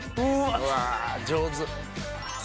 うわ上手！